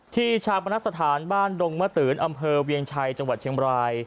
ชาปนสถานบ้านดงมะตืนอำเภอเวียงชัยจังหวัดเชียงบราย